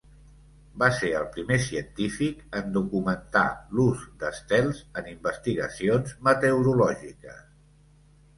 Va ser el primer científic en documentar l'ús d'estels en investigacions meteorològiques.